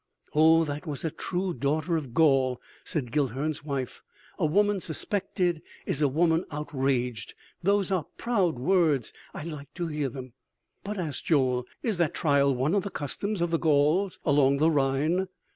"O, that was a true daughter of Gaul!" said Guilhern's wife. "A woman suspected is a woman outraged. Those are proud words.... I like to hear them!" "But," asked Joel, "is that trial one of the customs of the Gauls along the Rhine?"